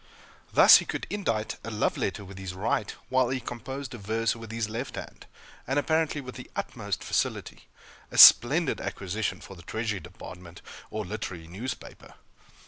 Thus, he could indite a love letter with his right while he composed a verse with his left hand, and, apparently, with the utmost facility a splendid acquisition for the Treasury Department or a literary newspaper!